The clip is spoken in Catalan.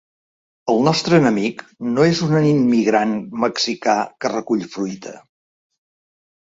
El nostre enemic no és un immigrant mexicà que recull fruita.